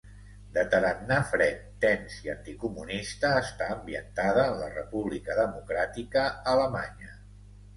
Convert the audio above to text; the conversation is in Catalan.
De tarannà fred, tens i anticomunista, està ambientada en la República Democràtica Alemanya.